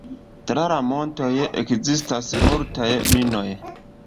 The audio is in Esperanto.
Tra la montoj ekzistas multaj minoj.